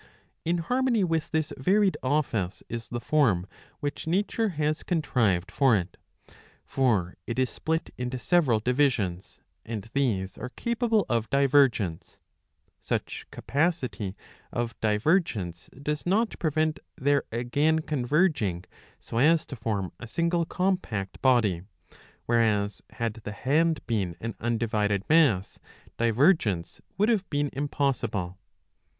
^^ In harmony with this varied office is the form which nature has contrived for it. For it is split into several divisions, and these are capable of divergence. 687b. IV. 10. 119 Such capacity of divergence does not prevent their again con verging so as to form a single compact body, whereas had the hand been an undivided mass, divergence would have been impossible.